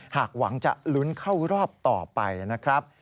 หากหวังจะลุ้นเข้ารอบต่อไปนะครับ